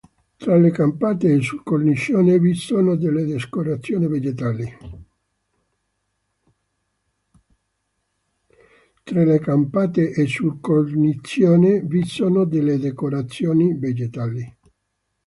Tra le campate e sul cornicione vi sono delle decorazioni vegetali.